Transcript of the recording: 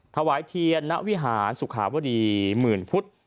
ถวายเทียนณวิหารสุขาวดีหมื่นพุทธ